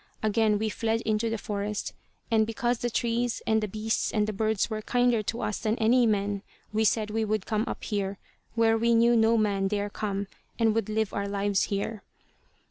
Again we fled into the forest; and because the trees and the beasts and the birds were kinder to us than any men, we said we would come up here where we knew no man dare come and would live our lives here.